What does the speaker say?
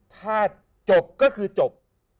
ถ้าจบก็คือจบ